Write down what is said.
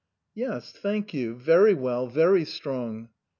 " Yes thank you very well, very strong."